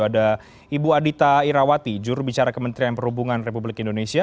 ada ibu adita irawati jurubicara kementerian perhubungan republik indonesia